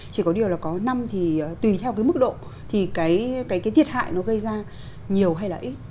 chỉ có điều là có năm thì tùy theo cái mức độ thì cái thiệt hại nó gây ra nhiều hay là ít